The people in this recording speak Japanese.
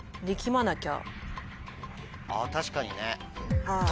あ確かにね。